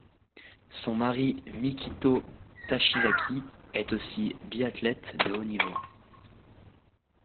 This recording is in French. Son mari Mikito Tachizaki est aussi biathlète de haut niveau.